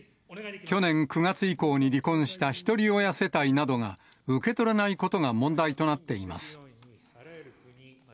去年９月以降に離婚した、ひとり親世帯などが、受け取れないことが問題となっています。